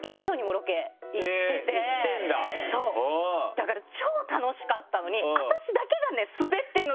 だから超楽しかったのにずっと。